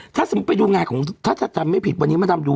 ถ้าสมมุติไปดูงานของถ้าจะทำไม่ผิดวันนี้มาดำดู